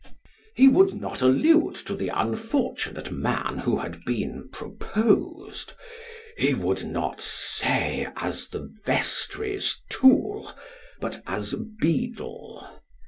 "). Ho would not allude to the unfortunate man who had been proposed he would not say, as the vestry's tool, but as Beadle.